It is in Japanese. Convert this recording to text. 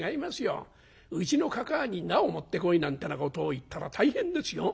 うちのかかあに『菜を持ってこい』なんてなことを言ったら大変ですよ。